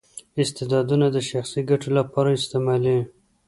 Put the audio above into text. استعدادونه د شخصي ګټو لپاره استعمالوي.